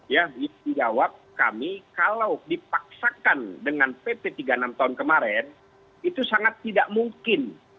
ya yang dijawab kami kalau dipaksakan dengan pp tiga puluh enam tahun kemarin itu sangat tidak mungkin